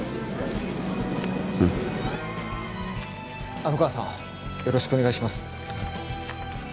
虻川さんよろしくお願いしまおう。